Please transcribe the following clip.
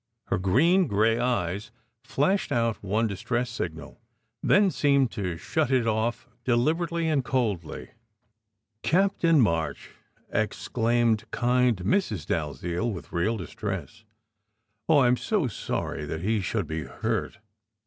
Her green gray eyes flashed out one distress signal, then seemed to shut it off deliberately and coldly. "Captain March!" exclaimed kind Mrs. Dalziel, with real distress. "Oh, I m so sorry that he should be hurt!"